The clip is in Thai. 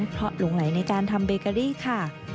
เพราะหลงไหลในการทำเบเกอรี่ค่ะ